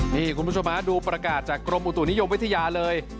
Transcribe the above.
นี่คุณผู้ชมฮะดูประกาศจากกรมอุตุนิยมวิทยาเลย